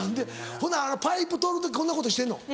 ほなあのパイプ通る時こんなことしてんの？